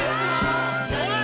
おい！